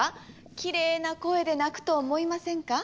きれいな声で鳴くと思いませんか？